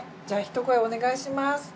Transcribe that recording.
じゃあひと声お願いします。